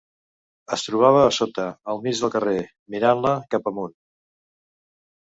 Es trobava a sota, al mig del carrer, mirant-la cap amunt.